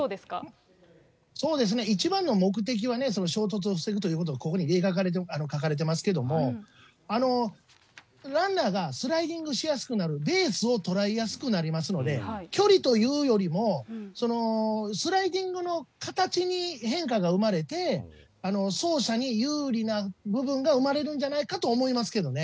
そうですね、一番の目的はね、衝突を防ぐということがここに書かれてますけれども、ランナーがスライディングしやすくなる、ベースを捉えやすくなりますので、距離というよりも、スライディングの形に変化が生まれて、走者に有利な部分が生まれるんじゃないかと思いますけどね。